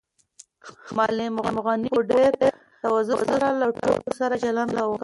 معلم غني په ډېرې تواضع سره له ټولو سره چلند کاوه.